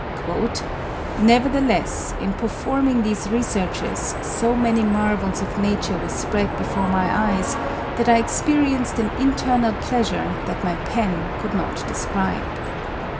"Nevertheless, in performing these researches so many marvels of nature were spread before my eyes that I experienced an internal pleasure that my pen could not describe."